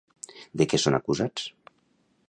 De què són acusats?